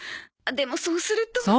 でもそうすると。